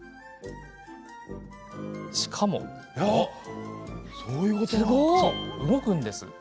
しかも動くんです。